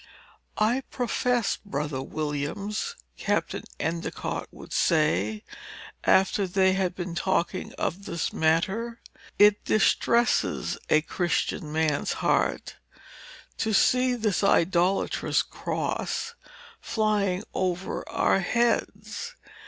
"I profess, brother Williams," Captain Endicott would say, after they had been talking of this matter, "it distresses a Christian man's heart, to see this idolatrous Cross flying over our heads.